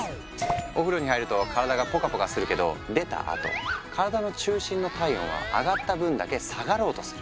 お風呂に入ると体がぽかぽかするけど出たあと体の中心の体温は上がった分だけ下がろうとする。